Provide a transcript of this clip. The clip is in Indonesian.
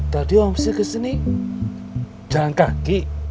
tadi om si kesini jalan kaki